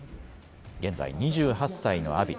現在２８歳の阿炎。